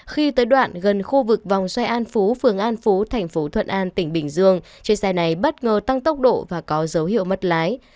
khi tới đoạn gần khu vực vòng xoay an phú phường an phú thành phố thuận an tỉnh bình dương chiếc xe này bất ngờ tăng tốc độ và có dấu hiệu mất lái